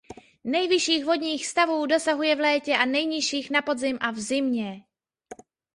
Nejvyšších vodních stavů dosahuje v létě a nejnižších na podzim a v zimě.